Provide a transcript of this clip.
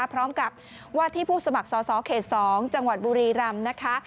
พร้อมกับว่าที่ผู้สมัครสอสอเขต๒จังหวัดบุรีรำนะคะ